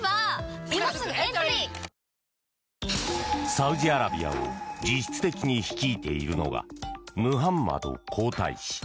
サウジアラビアを実質的に率いているのがムハンマド皇太子。